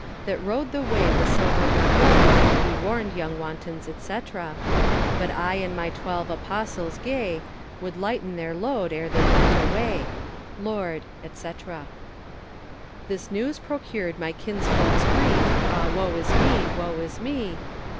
That rode the way with silver or gold, Be warned yong wantons, &c. But I and my twelve Apostles gaie Would lighten their load ere they went away. Lord, &c. This newes procured my kins folkes griefe, Ah woe is me, woe is me!